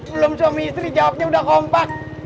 belum suami istri jawabnya udah kompak